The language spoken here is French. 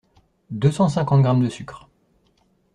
deux cent cinquantes grammes de sucre